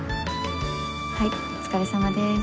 はいお疲れさまでーす。